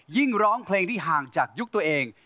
ร้องเพลงที่ห่างจากยุคตัวเอง